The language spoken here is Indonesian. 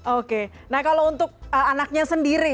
oke nah kalau untuk anaknya sendiri